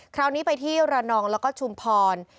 คราวนี้ไปที่ระนองแล้วก็ชุมพร